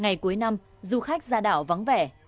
ngày cuối năm du khách ra đảo vắng vẻ